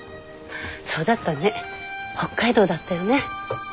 そうだったね北海道だったよね。